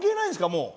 もう。